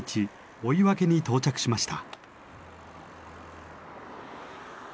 追分に到着しました。